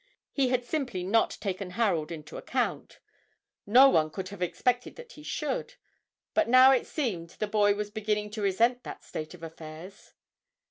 He had simply not taken Harold into account no one could have expected that he should; but now it seemed the boy was beginning to resent that state of affairs.